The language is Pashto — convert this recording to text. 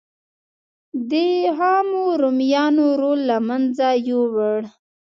دې د عامو رومیانو رول له منځه یووړ